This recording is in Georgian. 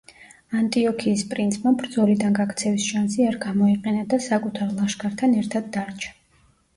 ანტიოქიის პრინცმა ბრძოლიდან გაქცევის შანსი არ გამოიყენა და საკუთარ ლაშქართან ერთად დარჩა.